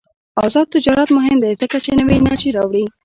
آزاد تجارت مهم دی ځکه چې نوې انرژي راوړي.